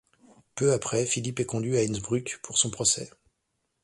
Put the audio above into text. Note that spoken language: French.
Peu après, Philippe est conduit à Innsbruck pour son procès.